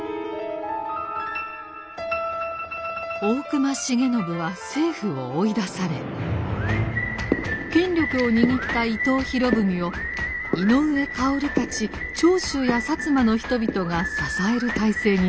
大隈重信は政府を追い出され権力を握った伊藤博文を井上馨たち長州や摩の人々が支える体制になりました。